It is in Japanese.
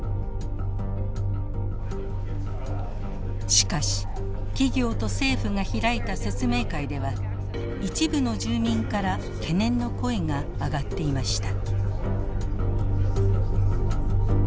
しかし企業と政府が開いた説明会では一部の住民から懸念の声が上がっていました。